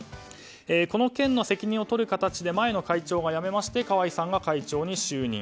この件の責任を取る形で前の会長が辞めまして川合さんが会長に就任。